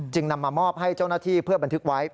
นำมามอบให้เจ้าหน้าที่เพื่อบันทึกไว้